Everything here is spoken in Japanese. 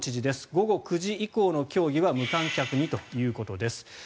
午後９時以降の競技は無観客にということです。